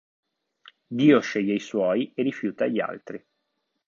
Dio sceglie i suoi e rifiuta gli altri.